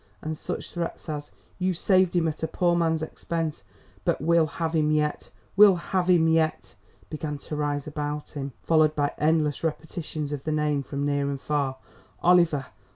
and such threats as "You saved him at a poor man's expense, but we'll have him yet, we'll have him yet!" began to rise about him; followed by endless repetitions of the name from near and far: "Oliver!